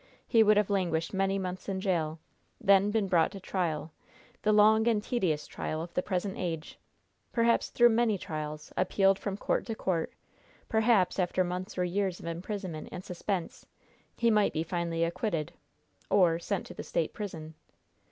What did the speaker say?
He would have languished many months in jail, then been brought to trial the long and tedious trial of the present age perhaps through many trials, appealed from court to court; perhaps, after months or years of imprisonment and suspense, he might be finally acquitted, or sent to the State prison.